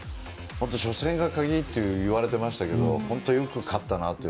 初戦が鍵と言われていましたけど本当によく勝ったなと。